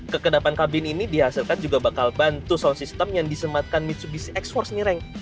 kekedapan kabin ini dihasilkan juga bakal bantu sound system yang disematkan mitsubishi x force nih reng